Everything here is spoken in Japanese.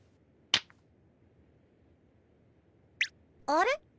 あれ？